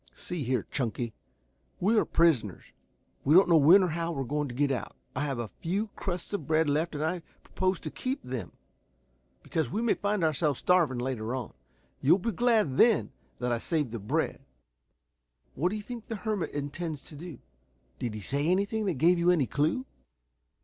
"See here, Chunky. We are prisoners. We don't know when or how we are going to get out. I have a few crusts of bread left and I propose to keep them, because we may find ourselves starving later on. You'll be glad then that I saved the bread. What do you think the hermit intends to do? Did he say anything that gave you any clue?"